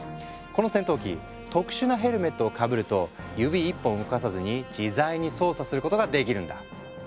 この戦闘機特殊なヘルメットをかぶると指一本動かさずに自在に操作することができるんだ。